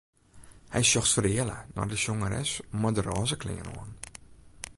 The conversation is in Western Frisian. Hy sjocht fereale nei de sjongeres mei de rôze klean oan.